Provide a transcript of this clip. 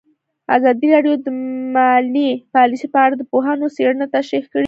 ازادي راډیو د مالي پالیسي په اړه د پوهانو څېړنې تشریح کړې.